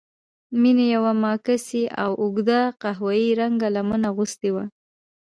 مينې يوه ماکسي او اوږده قهويي رنګه لمن اغوستې وه.